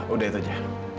udah itu aja